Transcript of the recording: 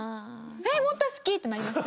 もっと好き！ってなりました。